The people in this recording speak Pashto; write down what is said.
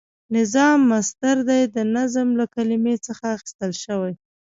نظام مصدر دی د نظم له کلمی څخه اخیستل شوی،